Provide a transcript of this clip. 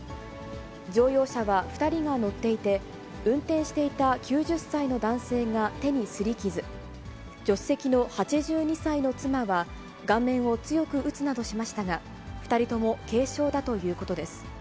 乗用車は２人が乗っていて、運転していた９０歳の男性が手にすり傷、助手席の８２歳の妻は、顔面を強く打つなどしましたが、２人とも軽傷だということです。